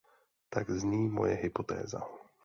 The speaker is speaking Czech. Tak zní moje hypotéza.